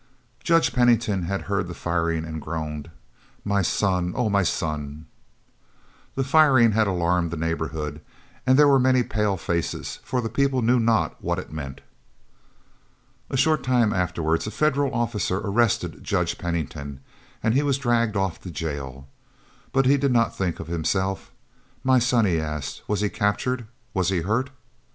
Judge Pennington heard the firing and groaned, "My son, oh, my son!" The firing had alarmed the neighborhood, and there were many pale faces, for the people knew not what it meant. A short time afterwards a Federal officer arrested Judge Pennington, and he was dragged off to jail. But he did not think of himself. "My son," he asked, "was he captured? was he hurt?"